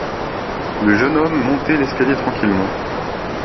Le jeune homme montait l’escalier tranquillement.